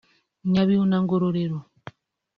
Nyabihu na Ngororero